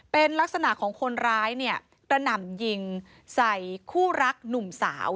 เป็นลักษณะของคนร้ายเนี่ยกระหน่ำยิงใส่คู่รักหนุ่มสาว